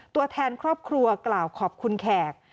ตัวแทนครอบครัวกล่าวขอบคุณแขก